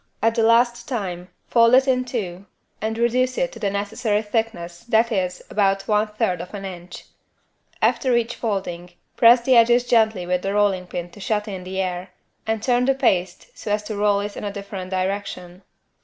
At the last time, fold it in two and reduce it to the necessary thickness that is, about one third of an inch. After each folding press the edges gently with the rolling pin to shut in the air, and turn the paste so as to roll in a different direction.